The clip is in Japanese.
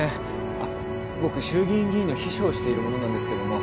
あっ僕衆議院議員の秘書をしている者なんですけども。